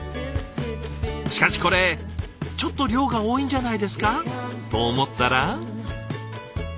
しかしこれちょっと量が多いんじゃないですかと思ったら。